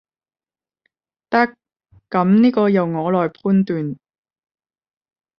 得，噉呢個由我來判斷